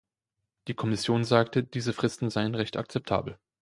Die Kommission sagte, diese Fristen seien recht akzeptabel.